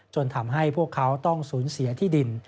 ทำให้พวกเขาต้องสูญเสียที่ดิน